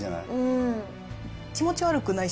うん。